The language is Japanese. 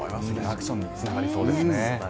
アクションにつながりそうですね。